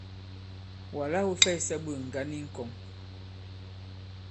Wàla wū fɛysɛ ɓôt ŋgǎn i ŋ̀kɔ̀ŋ.